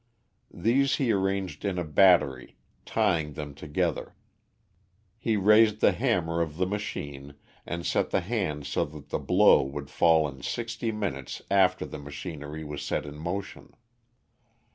These he arranged in a battery, tying them together. He raised the hammer of the machine, and set the hand so that the blow would fall in sixty minutes after the machinery was set in motion.